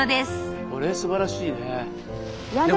これすばらしいね。